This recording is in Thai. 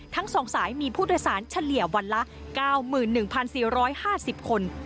ทั้งสองสายมีผู้โดยสารเฉลี่ยวันละเก้าหมื่นหนึ่งพันสี่ร้อยห้าสิบคน